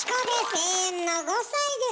永遠の５さいです。